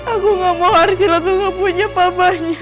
aku gak mau arsila punya papanya